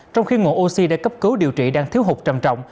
trong khi nguồn oxy đã cấp cứu điều trị đang thiếu hụt trầm trọng